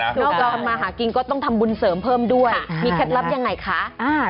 อันนี้ก็ไม่มานะนอกจากมาหากินก็ต้องทำบุญเสริมเพิ่มด้วยมีเคล็ดลับยังไงคะ